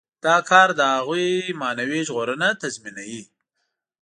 دا کار د هغوی معنوي ژغورنه تضمینوي.